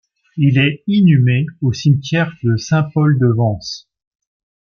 Il est inhumé au cimetière de Saint-Paul-de-Vence.